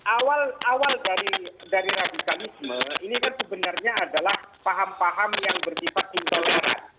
awal awal dari radikalisme ini kan sebenarnya adalah paham paham yang bersifat intoleran